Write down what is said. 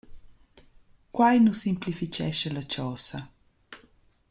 Quai nu simplifichescha la chosa.